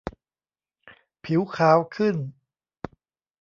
ผิวขาวขึ้น